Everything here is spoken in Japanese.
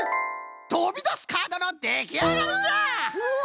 とびだすカードのできあがりじゃ！わ！